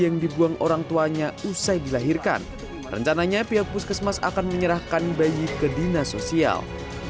yang dibuang orang tuanya usai dilahirkan rencananya pihak puskesmas akan menyerahkan bayi ke dinas sosial